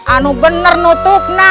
itu benar tutup mata